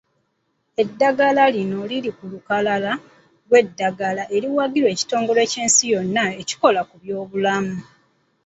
Eddagala lino liri ku lukalala lw'eddagala eriwagirwa Ekitongole ky'Ensi yonna ekikola ku byobulamu